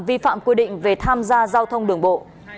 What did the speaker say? vi phạm quy định về tham gia giao thông đường bộ